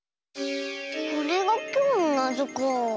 これがきょうのなぞか。